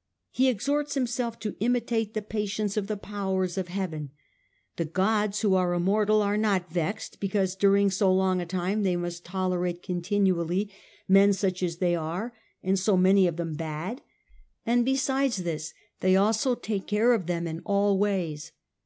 ^ He exhorts himself to imitate the patience of the powers of heaven. ' The gods ^^® vu. 70. who are immortal are not vexed because during so long a time they must tolerate continually men A.D. 1 1 8 The Age of the Antonincs. such as they are, and so many of them bad ; and besides this> they also take care of them in all ways.